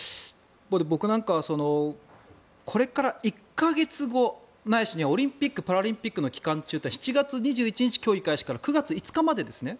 僕なんかはこれから１か月後ないしはオリンピック・パラリンピックの期間中は７月２１日競技開始から９月５日までですね。